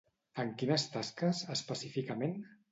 En quines tasques, específicament?